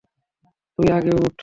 তুই আগে উঠ।